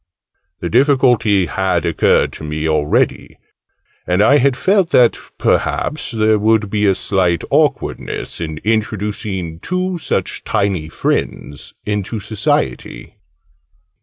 The difficulty had occurred to me already: and I had felt that perhaps there would be a slight awkwardness in introducing two such tiny friends into Society.